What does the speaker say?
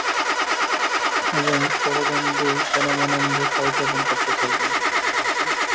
এবং পরদণ্ডেই পরমানন্দে কালযাপন করতে থাকবেন।